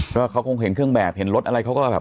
ก็เขาคงเห็นเครื่องแบบเห็นรถอะไรเขาก็แบบ